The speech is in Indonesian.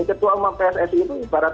ketua umum pssi itu ibarat